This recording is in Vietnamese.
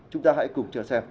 chúng ta hãy cùng chờ xem